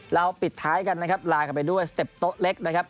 เราปิดท้ายกันนะครับลากันไปด้วยสเต็ปโต๊ะเล็กนะครับ